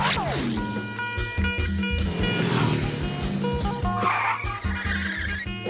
ห้าสี่สามปล่อยเรือ